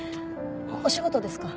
お仕事ですか？